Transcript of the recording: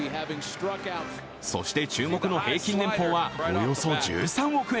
そして、注目の平均年俸はおよそ１３億円。